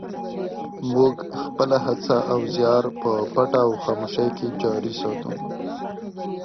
موږ خپله هڅه او زیار په پټه او خاموشۍ کې جاري ساتو.